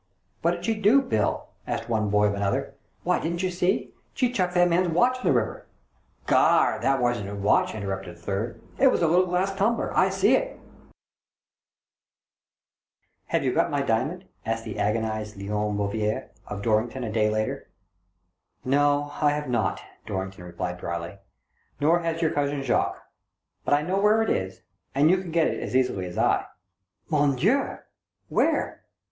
"^Vhat did she do, Bill?" asked one boy of another. " Why, didn't ye see? She chucked that man's watch in the river." " Garn ! that wasn't his watch !" interrupted a third, " it was a little glass tumbler. I see it !" "Have you got my diamond?" asked the agonised Leon Bouvier of Dorrington a day later. "No, I have not," Dorrington replied drily. " Nor has your cousin Jacques. But I know where it is, and you can get it as easily as I." "Mo7iDieu! Where?"